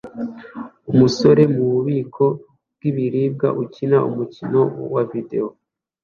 Umusore mububiko bw'ibiribwa ukina umukino wa videwo